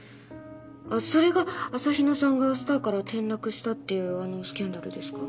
あっそれが朝比奈さんがスターから転落したっていうあのスキャンダルですか？